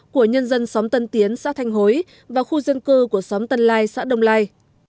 của nhân dân xóm tân tiến xã thanh hối và khu dân cư của xóm tân lai xã đông lai